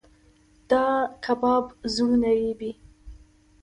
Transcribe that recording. دا کباب زړونه رېبي.